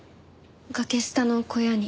崖下の小屋に。